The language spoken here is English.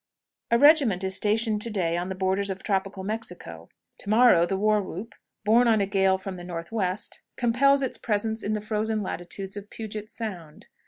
A regiment is stationed to day on the borders of tropical Mexico; to morrow, the war whoop, borne on a gale from the northwest, compels its presence in the frozen latitudes of Puget's Sound.